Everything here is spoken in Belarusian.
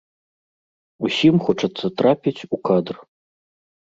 Усім хочацца трапіць у кадр.